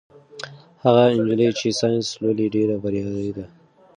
هغه نجلۍ چې ساینس لولي ډېره بریالۍ ده.